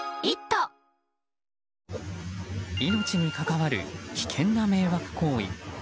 命に関わる危険な迷惑行為。